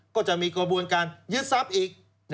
ก็จะมีกระบวนการยึดทรัพย์อีก